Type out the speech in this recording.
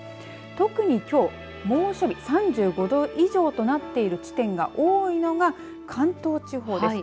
特に、きょう猛暑日３５度以上となっている地点が多いのが関東地方です。